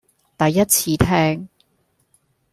第一次聽